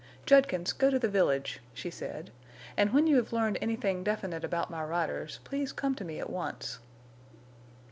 "Judkins, go to the village," she said, "and when you have learned anything definite about my riders please come to me at once."